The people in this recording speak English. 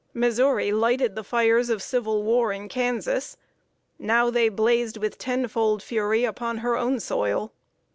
Missouri lighted the fires of civil war in Kansas; now they blazed with tenfold fury upon her own soil.